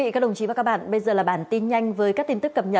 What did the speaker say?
cảm ơn các bạn đã theo dõi